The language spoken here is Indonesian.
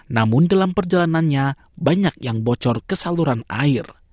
namun dalam perjalanannya banyak yang bocor ke saluran air